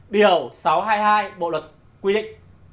điều sáu trăm hai mươi hai bộ luật quy định